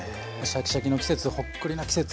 シャキシャキの季節ホックリな季節